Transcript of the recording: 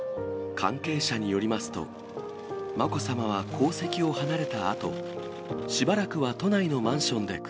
関係者によりますと、まこさまは皇籍を離れたあと、しばらくは都内のマンションで暮